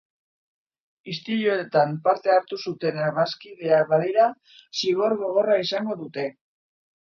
Istiluetan parte hartu zutenak bazkideeak badira zigor gogorra izango dute.